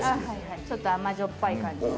ちょっと甘じょっぱい感じの。